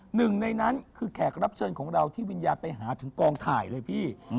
หนึ่งในนั้นคือแขกรับเชิญของเราที่วิญญาณไปหาถึงกองถ่ายเลยพี่